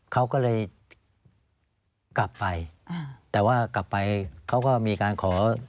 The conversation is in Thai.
เขาก็เลยกลับไปอ่าแต่ว่ากลับไปเขาก็มีการขอ